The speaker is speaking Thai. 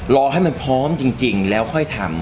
รอให้มันพร้อมจริงแล้วค่อยทำ